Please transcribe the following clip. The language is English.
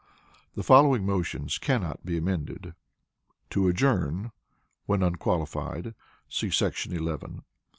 The following motions cannot be amended: To Adjourn (when unqualified) ………………………. See § 11.